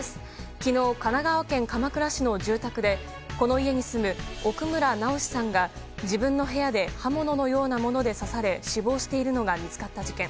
昨日、神奈川県鎌倉市の住宅でこの家に住む奥村直司さんが自分の部屋で刃物のようなもので刺され死亡しているのが見つかった事件。